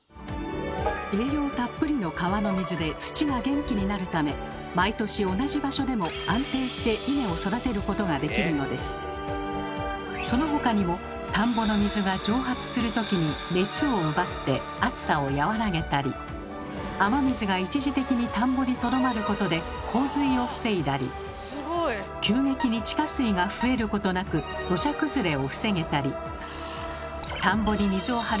栄養たっぷりの川の水で土が元気になるため毎年同じ場所でもそのほかにも田んぼの水が蒸発するときに熱を奪って暑さを和らげたり雨水が一時的に田んぼにとどまることで洪水を防いだり急激に地下水が増えることなく土砂崩れを防げたり。